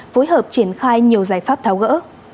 phối hợp triển khai nhiều giải pháp tháo gỡ